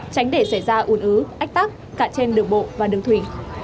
tránh để xảy ra uốn ứ ách tác cả trên đường bộ và đường thủy